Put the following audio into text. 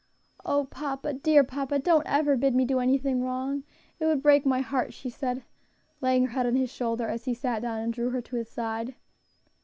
"O papa, dear papa! don't ever bid me do anything wrong; it would break my heart," she said, laying her head on his shoulder as he sat down and drew her to his side.